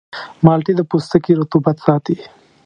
مالټې د پوستکي رطوبت ساتي.